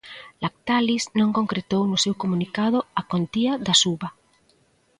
Lactalis non concretou no seu comunicado a contía da suba.